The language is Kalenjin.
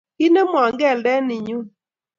Kinemwo keldet ni nyuu?